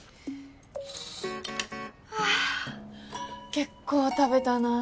ハァ結構食べたな。